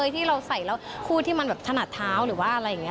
ที่เราใส่แล้วคู่ที่มันแบบถนัดเท้าหรือว่าอะไรอย่างนี้